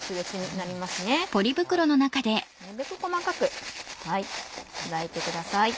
なるべく細かく砕いてください。